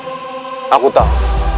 tia aku tahu